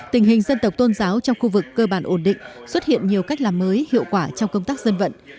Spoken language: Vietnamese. tình hình dân tộc tôn giáo trong khu vực cơ bản ổn định xuất hiện nhiều cách làm mới hiệu quả trong công tác dân vận